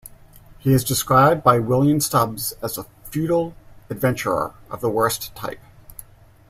He is described by William Stubbs as "a feudal adventurer of the worst type".